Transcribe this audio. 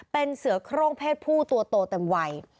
เป็นเสือโครงเพศผู้ตัวโตเต็มวัย